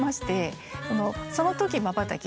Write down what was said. そのときまばたき。